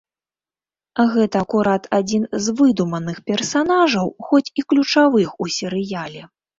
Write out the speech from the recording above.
Гэта акурат адзін з выдуманых персанажаў, хоць і ключавых у серыяле.